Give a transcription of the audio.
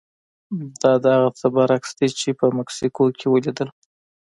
دا د هغه څه برعکس دي چې په مکسیکو کې ولیدل.